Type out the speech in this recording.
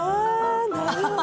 なるほど！